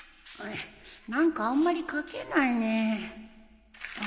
何かあんまり書けないね